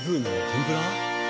天ぷら？